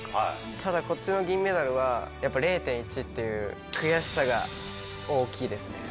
ただこっちの銀メダルはやっぱ０．１っていう悔しさが大きいですね。